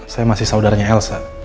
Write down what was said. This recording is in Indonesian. saya masih saudaranya elsa